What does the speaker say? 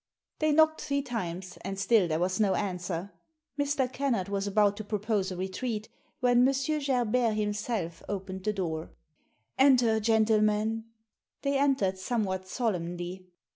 They knocked three times, and still there was no answer. Mr. Kennard was about to propose a re treat when M. Gerbert himself opened the door. "Enter, gentlemen!" They entered somewhat solemnly.